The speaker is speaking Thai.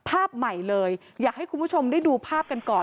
ภาพใหม่เลยอยากให้คุณผู้ชมได้ดูภาพกันก่อน